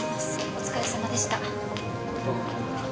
お疲れさまでした。